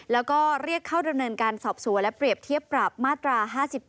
แล้วก็เรียกเข้าดำเนินการสอบสวนและเปรียบเทียบปรับมาตรา๕๗